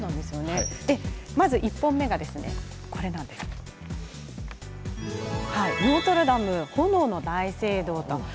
まず１本目が「ノートルダム炎の大聖堂」。